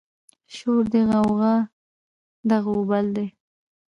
شور دی غوغه ده غوبل دی